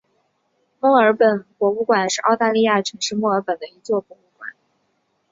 墨尔本博物馆是澳大利亚城市墨尔本的一座博物馆。